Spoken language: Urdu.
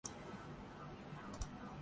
کی عہدیدار سدرا احمد نے وی او کو بتایا ہے